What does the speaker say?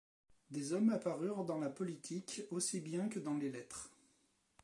Des hommes apparurent dans la politique aussi bien que dans les lettres.